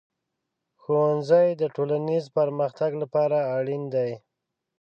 ښوونځی د ټولنیز پرمختګ لپاره اړین دی.